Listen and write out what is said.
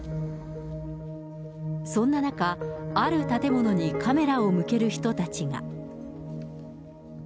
そんな中、ある建物にカメラを向ける人たちが。